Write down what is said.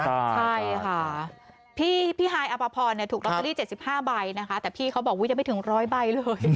ใช่ค่ะพี่พี่ฮายอัพพอร์เนี่ยถูกลอสเตอรี่๗๕ใบนะคะแต่พี่เขาบอกว่ายังไม่ถึงร้อยใบเลย